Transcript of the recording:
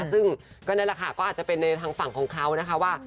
ซึ่งก็นั่นแหละค่ะก็อาจจะเป็นในทางฝั่งของเขานะคะว่า